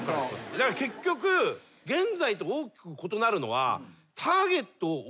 だから結局現在と大きく異なるのは。